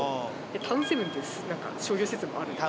タウンセブンって何か商業施設もあるんです。